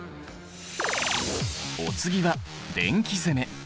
お次は電気攻め。